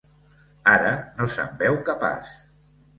Ara no se'n veu capaç.